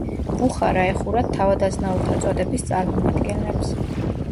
ბუხარა ეხურათ თავად-აზნაურთა წოდების წარმომადგენლებს.